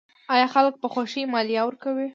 آیا خلک په خوښۍ مالیه ورکوي؟